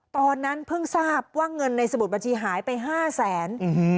ตอนนั้นเพิ่งทราบว่าเงินในสมุดบัญชีหายไป๕แสน